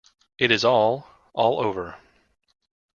It is all, all over.